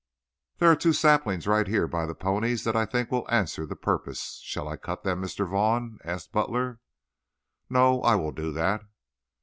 "There are two saplings right here by the ponies that I think will answer the purpose. Shall I cut them, Mr. Vaughn?" asked Butler. "No, I will do that."